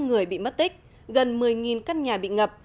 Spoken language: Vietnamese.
năm người bị mất tích gần một mươi căn nhà bị ngập